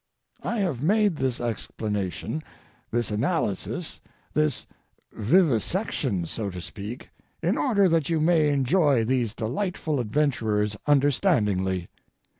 I have made this explanation, this analysis, this vivisection, so to speak, in order that you may enjoy these delightful adventurers understandingly.